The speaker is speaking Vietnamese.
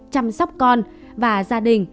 chăm sóc con và gia đình